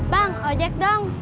bang ojek dong